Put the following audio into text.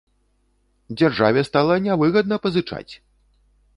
Дзяржаве стала нявыгадна пазычаць!